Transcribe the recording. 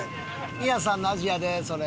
宮さんのアジやでそれ。